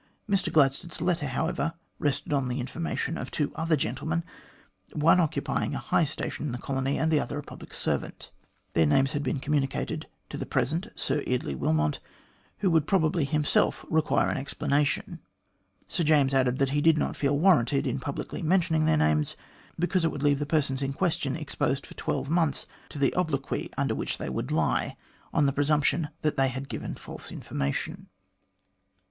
Mr Gladstone's letter, however, rested on the information of two other gentlemen, one occupying a high station in the colony, and the other a public servant. Their names had been communicated to the present Sir Eardley Wilmot, who would probably himself require an explana tion. Sir James added that he did not feel warranted in publicly mentioning their names, because it would leave the persons in question exposed for twelve months to the obloquy under which they would lie, on the presumption that they had given false information.